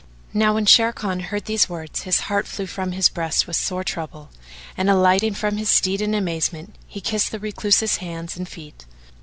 Now when Sharrkan heard these words, his heart flew from his breast with sore trouble; and, alighting from his steed in amazement, he kissed the Recluse's hands and feet.